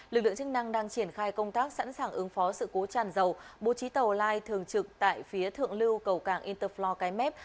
lực lượng chức năng đang triển khai công tác sẵn sàng ứng phó sự cố tràn dầu bố trí tàu lai thường trực tại phía thượng lưu cầu cảng interfloor cái mép